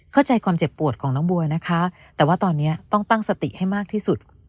เข้าใจความเจ็บปวดของน้องบัวนะคะแต่ว่าตอนนี้ต้องตั้งสติให้มากที่สุด